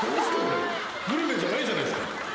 グルメじゃないじゃないですか。